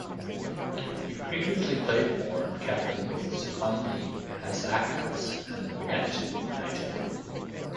He previously played for and captained both Sekondi Hasaacas and Bechem United.